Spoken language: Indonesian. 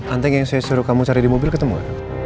antek yang saya suruh kamu cari di mobil ketemu